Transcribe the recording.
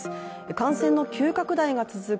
感染の急拡大が続く